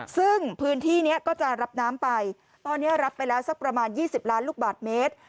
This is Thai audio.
ซึ่งพื้นที่นี้ก็จะรับน้ำไปตอนนี้รับไปแล้วสักประมาณ๒๐ล้านลูกบาทเมตร